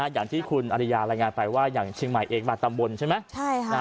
อย่างที่คุณอริยารายงานไปว่าอย่างเชียงใหม่เองบางตำบลใช่ไหม